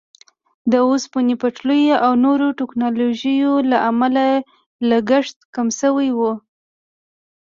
د اوسپنې پټلیو او نویو ټیکنالوژیو له امله لګښت کم شوی وو.